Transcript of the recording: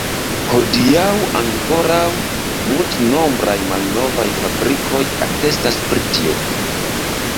Hodiaŭ ankoraŭ multnombraj malnovaj fabrikoj atestas pri tio.